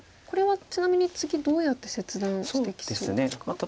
これはちなみに次どうやって切断してきそうですか。